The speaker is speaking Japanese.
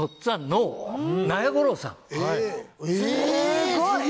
すごい。